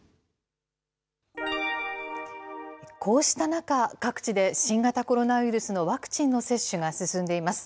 こうした中、各地で新型コロナウイルスのワクチンの接種が進んでいます。